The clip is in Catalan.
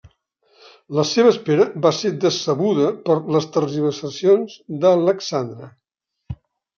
La seva espera va ser decebuda per les tergiversacions d'Alexandre.